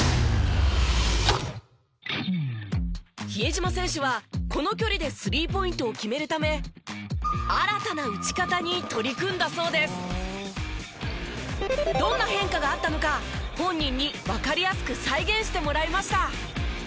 比江島選手はこの距離でスリーポイントを決めるためどんな変化があったのか本人にわかりやすく再現してもらいました。